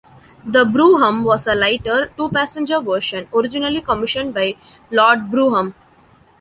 The Brougham was a lighter, two-passenger version originally commissioned by Lord Brougham.